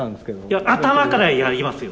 いや頭からやりますよ！